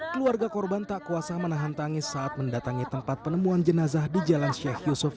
keluarga korban tak kuasa menahan tangis saat mendatangi tempat penemuan jenazah di jalan sheikh yusuf